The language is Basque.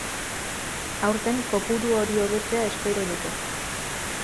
Aurten, kopuru hori hobetzea espero dute.